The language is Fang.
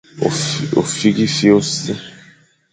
Ôfîghefîkh ô sir.